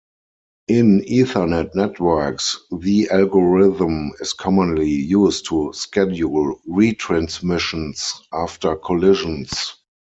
In Ethernet networks, the algorithm is commonly used to schedule retransmissions after collisions.